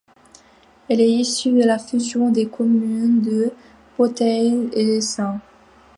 Elle est issue de la fusion des communes de Beautheil et Saints.